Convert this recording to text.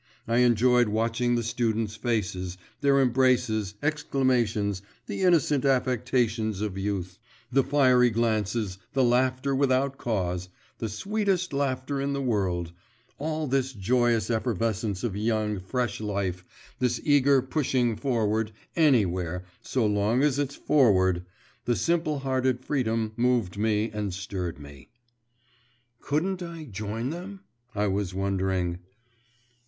I enjoyed watching the students' faces; their embraces, exclamations, the innocent affectations of youth, the fiery glances, the laughter without cause the sweetest laughter in the world all this joyous effervescence of young, fresh life, this eager pushing forward anywhere, so long as it's forward the simple hearted freedom moved me and stirred me. 'Couldn't I join them?' I was wondering.